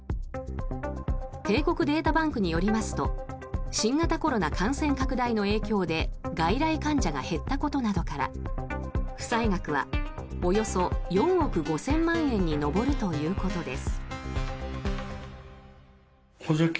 帝国データバンクによりますと新型コロナ感染拡大の影響で外来患者が減ったことなどから負債額はおよそ４億５０００万円に上るということです。